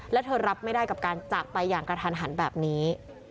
และเธอรับไม่ได้กับการจากไปอย่างกระทันหันแบบนี้